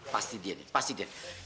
pasti dia nih pasti dia